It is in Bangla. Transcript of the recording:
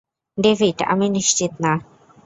ডেভিড, আমি নিশ্চিত না!